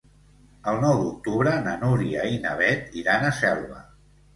El nou d'octubre na Núria i na Beth iran a Selva.